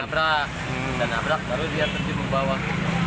nabrak nabrak baru dia terjun ke bawah